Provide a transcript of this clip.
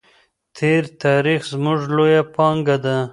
تېر تاریخ زموږ لویه پانګه ده.